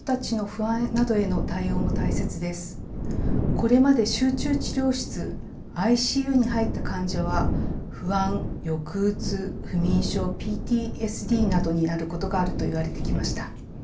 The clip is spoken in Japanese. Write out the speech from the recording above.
これまで集中治療室ＩＣＵに入った患者は不安・抑うつ不眠症ＰＴＳＤなどになることがあるといわれてきました。